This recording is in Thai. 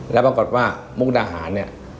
แล้วปรากฏว่ามุกดาหารเนี่ย